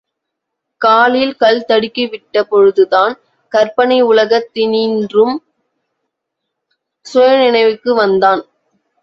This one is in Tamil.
காலில் கல் தடுக்கிவிட்ட பொழுதுதான், கற்பனை உலகத் தினின்றும் சுயநினைவுக்கு வந்தான்.